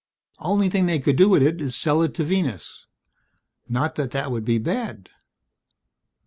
Only thing they could do with it is sell it to Venus. Not that that would be bad.